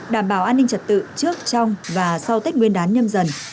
đảm bảo an ninh trật tự trước trong và sau tết nguyên đán nhâm dần hai nghìn hai mươi hai